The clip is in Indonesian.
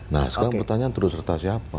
nah sekarang pertanyaan terus serta siapa